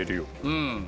うん。